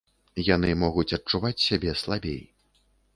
Яны могуць адчуваць сябе слабей.